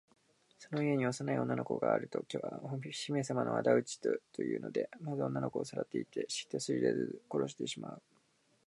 その家に幼い女の子があるときは、お姫さまのあだ討ちだというので、まず女の子をさらっていって、人知れず殺してしまう。